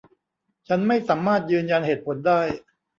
ฉันไม่สามารถยืนยันเหตุผลได้